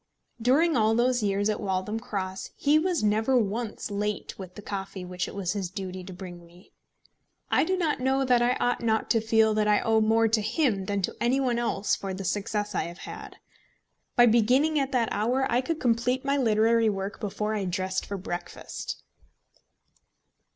During all those years at Waltham Cross he was never once late with the coffee which it was his duty to bring me. I do not know that I ought not to feel that I owe more to him than to any one else for the success I have had. By beginning at that hour I could complete my literary work before I dressed for breakfast.